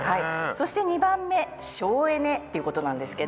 そして２番目省エネっていうことなんですけど。